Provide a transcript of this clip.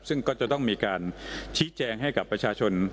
ซึ่งก็จะต้องมีการชี้แจงให้กับประชาชน